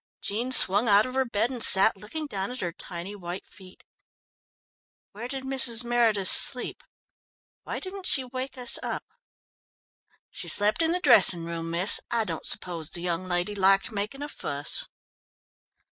Jean swung out of her bed and sat looking down at her tiny white feet. "Where did Mrs. Meredith sleep? Why didn't she wake us up?" "She slept in the dressing room, miss. I don't suppose the young lady liked making a fuss."